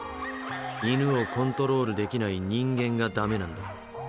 犬をコントロールできない人間がダメなんだ。